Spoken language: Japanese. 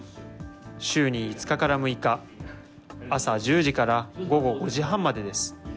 週に５日から６日、朝１０時から午後５時半までです。